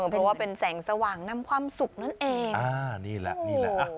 เพราะว่ามีแสงสว่างนำความสุขนั่นเอง